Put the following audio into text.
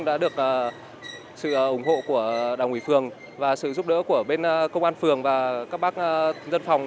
các đơn vị đã được sự ủng hộ của đảng ủy phường và sự giúp đỡ của bên công an phường và các bác dân phòng